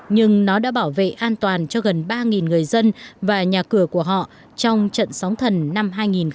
nhưng nó đã bảo vệ an toàn cho gần ba người dân và nhà cửa của họ trong trận sóng thần năm hai nghìn một mươi